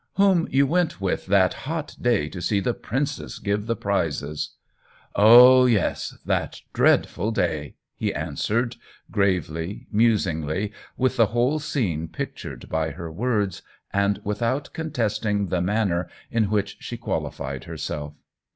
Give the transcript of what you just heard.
" Whom you went with that hot day to see the princess give the prizes." "Oh yes — that dreadful day!" he an swered, gravely, musingly, with the whole scene pictured by her words, and without contesting the manner in which she quali fied herself.